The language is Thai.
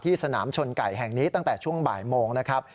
สนามชนไก่แห่งนี้ตั้งแต่ช่วงบ่ายโมงนะครับ